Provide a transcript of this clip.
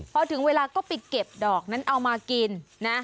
พอถึงเวลาก็ไปเก็บดอกนั้นเอามากินนะ